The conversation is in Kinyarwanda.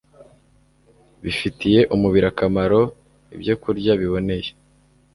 bifitiye umubiri akamaro Ibnyokurya biboneye